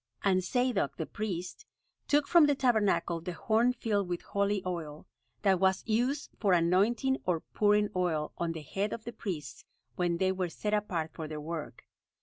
And Zadok, the priest, took from the Tabernacle the horn filled with holy oil, that was used for anointing or pouring oil on the head of the priests when they were set apart for their work.